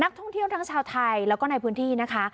ท่องเที่ยวทั้งชาวไทยแล้วก็ในพื้นที่นะคะ